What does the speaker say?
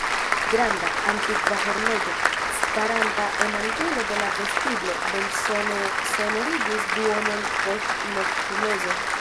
Granda, antikva horloĝo, staranta en angulo de la vestiblo, belsone sonorigis duonon post noktomezo.